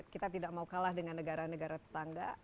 kita tidak mau kalah dengan negara negara tetangga